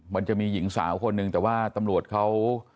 มันจะมีหญิงสาวคนหนึ่งแต่ว่าตำรวจเขา